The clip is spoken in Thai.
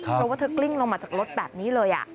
เพราะว่าเธอกลิ้งลงมาจากรถแบบนี้เลย